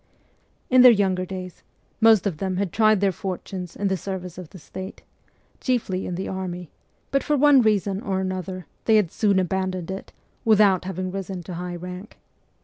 In their younger days most of them had tried their fortunes in the service of the state, chiefly in the army; but for one reason or another they had soon abandoned it, without having risen to high rank.